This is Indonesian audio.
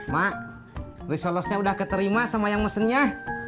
mak resolesnya udah keterima sama yang mesennya